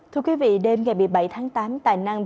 thưa quý vị đêm ngày một mươi bảy tháng tám